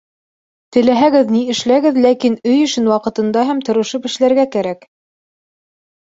Теләһәгеҙ ни эшләгеҙ, ләкин өй эшен ваҡытында һәм тырышып эшләргә кәрәк